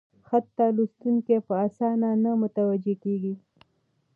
خط ته لوستونکي په اسانه نه متوجه کېږي: